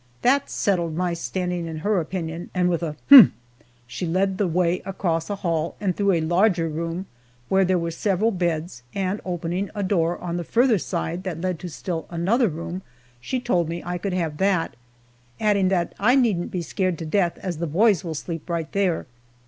That settled my standing in her opinion, and with a "Humph!" she led the way across a hall and through a large room where there were several beds, and opening a door on the farther side that led to still another room, she told me I could have that, adding that I "needn't be scared to death, as the boys will sleep right there."